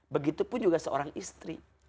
begitu pun juga seorang istri